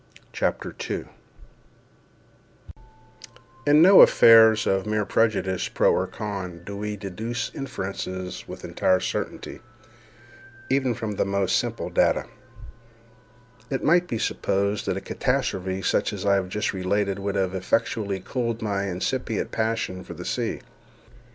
CHAPTER 2 In no affairs of mere prejudice, pro or con, do we deduce inferences with entire certainty, even from the most simple data. It might be supposed that a catastrophe such as I have just related would have effectually cooled my incipient passion for the sea.